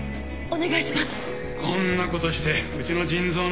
お願いします。